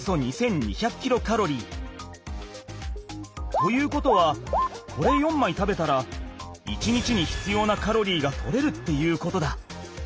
ということはこれ４枚食べたら１日に必要なカロリーが取れるっていうことだ。